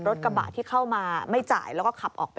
รถกระบะที่เข้ามาไม่จ่ายแล้วก็ขับออกไป